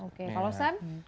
oke kalau sam